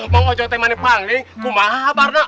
mau ngajak teman yang paling kumabar nak